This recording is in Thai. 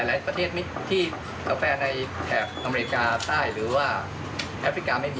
กาแฟไทยเนี่ยจะมีข้อเด่นอันหนึ่งเลย